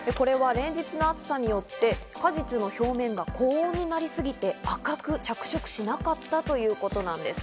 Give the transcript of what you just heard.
これは連日の暑さによって果実の表面が高温になりすぎて、赤く着色しなかったということなんです。